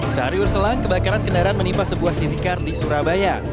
sehari berselang kebakaran kendaraan menimpa sebuah city card di surabaya